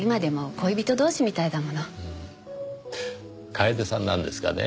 楓さんなんですがね